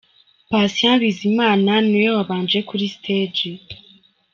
Pasiya Bizimana ni we wabanje kuri stage.